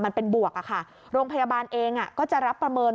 มันเป็นบวกโรงพยาบาลเองก็จะรับประเมิน